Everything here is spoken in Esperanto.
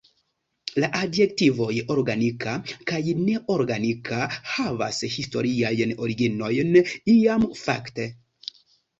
La adjektivoj "organika" kaj "neorganika" havas historiajn originojn; iam, fakte.